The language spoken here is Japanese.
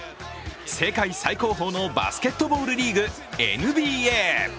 世界最高峰のバスケットボールリーグＮＢＡ。